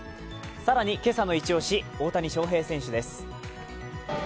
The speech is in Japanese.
更に今朝のイチ押し、大谷翔平選手です。